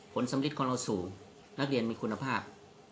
สำริดของเราสูงนักเรียนมีคุณภาพ